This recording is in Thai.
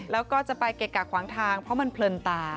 แล้วก็จะไปเกะกะขวางทางเพราะมันเพลินตา